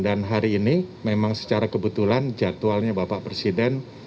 dan hari ini memang secara kebetulan jadwalnya bapak presiden